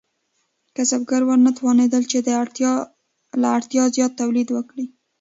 کسبګر وتوانیدل چې له اړتیا زیات تولید وکړي.